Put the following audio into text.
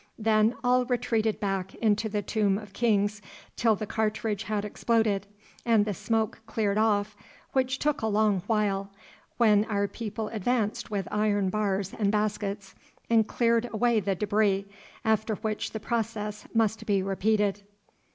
Then all retreated back into the Tomb of Kings till the cartridge had exploded, and the smoke cleared off, which took a long while, when our people advanced with iron bars and baskets, and cleared away the débris, after which the process must be repeated.